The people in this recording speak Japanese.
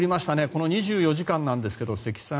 この２４時間なんですが積算